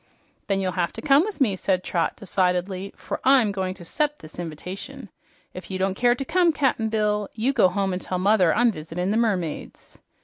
"Then you'll have to come with me," said Trot decidedly, "for I'm going to 'cept this inv'tation. If you don't care to come, Cap'n Bill, you go home and tell mother I'm visitin' the mermaids."